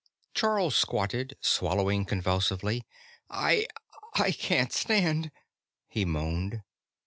Charl squatted, swallowing convulsively. "I I can't stand," he moaned.